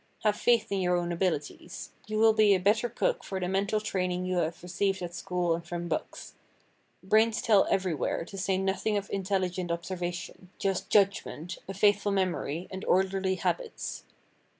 Have faith in your own abilities. You will be a better cook for the mental training you have received at school and from books. Brains tell everywhere, to say nothing of intelligent observation, just judgment, a faithful memory, and orderly habits.